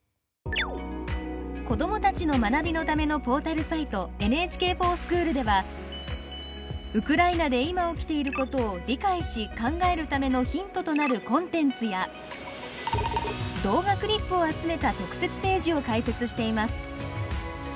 子どもたちの学びのためのポータルサイト「ＮＨＫｆｏｒＳｃｈｏｏｌ」ではウクライナで今起きていることを理解し、考えるためのヒントとなるコンテンツや動画クリップを集めた特設ページを開設しています。